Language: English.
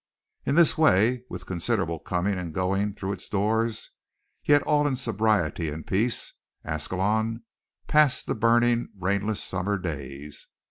In this way, with considerable coming and going through its doors, yet all in sobriety and peace, Ascalon passed the burning, rainless summer days.